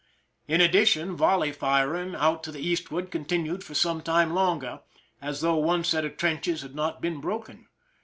In addition, volley firing out to the eastward continued for some time longer, as though one set of trenches had not been broken.